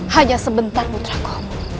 hanya sebentar putraku